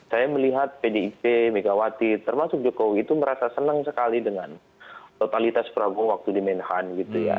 saya melihat pdip megawati termasuk jokowi itu merasa senang sekali dengan totalitas prabowo waktu di menhan gitu ya